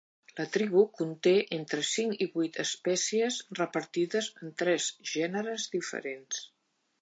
La tribu conté entre cinc i vuit espècies repartides en tres gèneres diferents.